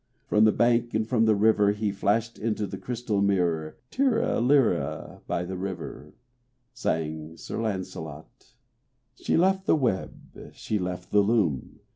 From the bank and from the river He flashed into the crystal mirror, Tirra lirra," by the river Sang Sir Lancelot. . She left the web, she left the loom.